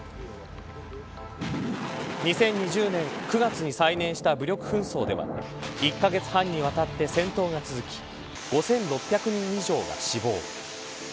２０２０年９月に再燃した武力紛争では１カ月半にわたって戦闘が続き５６００人以上が死亡。